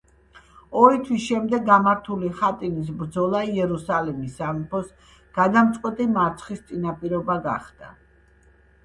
ორი თვის შემდეგ გამართული ჰატინის ბრძოლა იერუსალიმის სამეფოს გადამწყვეტი მარცხის წინაპირობა გახდა.